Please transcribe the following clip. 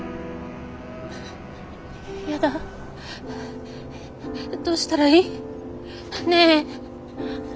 嫌だどうしたらいい？ねえ！